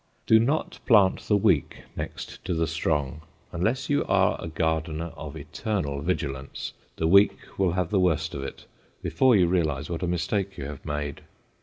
Do not plant the weak next to the strong. Unless you are a gardener of eternal vigilance, the weak will have the worst of it before you realize what a mistake you have made.